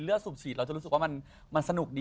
สูบฉีดเราจะรู้สึกว่ามันสนุกดี